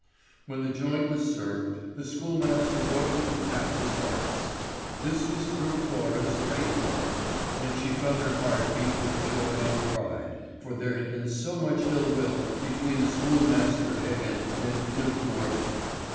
When the joint was served, the schoolmaster rose and tapped his glass. This was Fru Thora's great moment, and she felt her heart beat with joy and pride, for there had been so much ill will between the schoolmaster Heggen and Knut Norby.